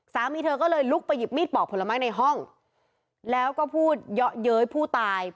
สามีเธอก็เลยลุกไปหยิบมีดปอกผลไม้ในห้องแล้วก็พูดเยอะเย้ยผู้ตาย